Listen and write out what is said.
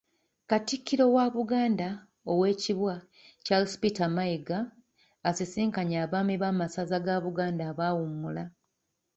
Katikkiro wa Buganda Owekiibwa Charles Peter Mayiga asisinkanye abaami b'amasaza ga Buganda abaawummula.